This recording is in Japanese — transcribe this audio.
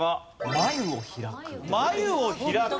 眉を開く！？